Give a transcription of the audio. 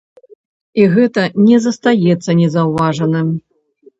І гэта не застаецца незаўважаным.